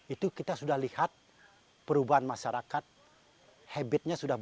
itu kita sudah lihat perubahan masyarakat